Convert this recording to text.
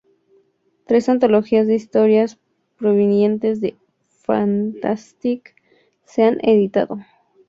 Tres antologías de historias provenientes de "Fantastic" se han editado.